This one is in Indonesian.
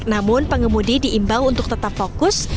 tentang baik namun pengemudi diimbang untuk tetap fokus